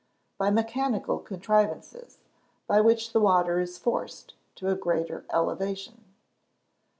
_ By mechanical contrivances, by which the water is forced to a greater elevation.